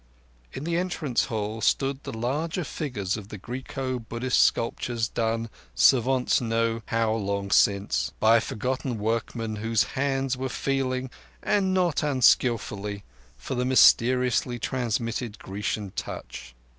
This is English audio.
In the entrance hall stood the larger figures of the Greco Buddhist sculptures done, savants know how long since, by forgotten workmen whose hands were feeling, and not unskilfully, for the mysteriously transmitted Grecian touch.